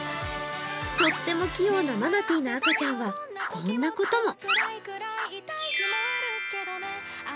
とっても器用なマナティーの赤ちゃんはこんなことも。